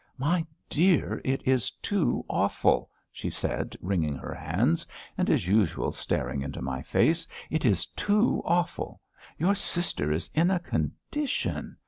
"My dear, it is too awful!" she said, wringing her hands, and as usual, staring into my face. "It is too awful!... Your sister is in a condition....